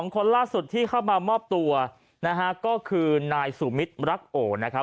คนล่าสุดที่เข้ามามอบตัวนะฮะก็คือนายสุมิตรรักโอนะครับ